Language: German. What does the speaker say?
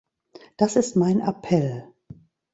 Das ist mein Appell.